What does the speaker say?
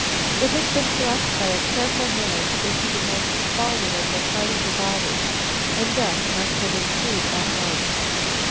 It had been thrust by a careful hand into the most vulnerable part of the body, and death must have ensued at once."